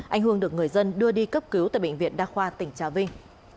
anh hương được người dân đưa đi cấp cứu tại bệnh viện đa khoa tỉnh trà vinh